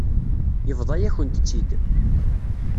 Yebḍa-yakent-tt-id.